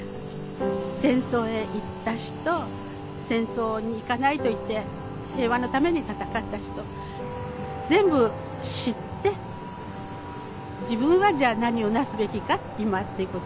戦争へ行った人戦争に行かないと言って平和のために戦った人全部知って自分はじゃあ何をなすべきか今ってことをね